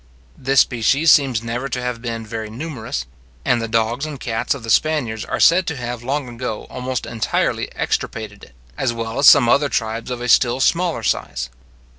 This species seems never to have been very numerous; and the dogs and cats of the Spaniards are said to have long ago almost entirely extirpated it, as well as some other tribes of a still smaller size.